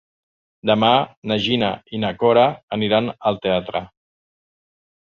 Demà na Gina i na Cora aniran al teatre.